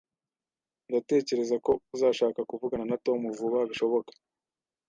Ndatekereza ko uzashaka kuvugana na Tom vuba bishoboka